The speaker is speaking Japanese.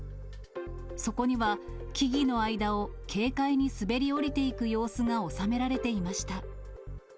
そこには、木々の間を軽快に滑り降りていく様子が収められていました。